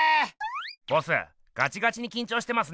ボスガチガチにきんちょうしてますね。